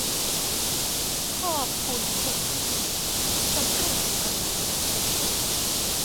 ขอบคุณทุกท่านสำหรับกำลังใจ